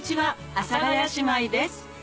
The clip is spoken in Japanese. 阿佐ヶ谷姉妹です